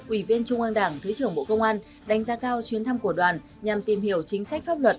ủy viên trung an đảng thứ trưởng bộ công an đánh giá cao chuyến thăm của đoàn nhằm tìm hiểu chính sách pháp luật